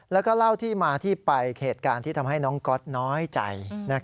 แล้วก็เล่าที่มาที่ไปเหตุการณ์ที่ทำให้น้องก๊อตน้อยใจ